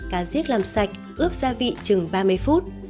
cá giết làm sạch ướp gia vị chừng ba mươi phút